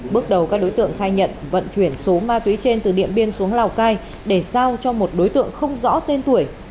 bước đầu các đối tượng khai nhận vận chuyển số ma túy trên từ điện biên xuống lào cai để giao cho một đối tượng không rõ tên tuổi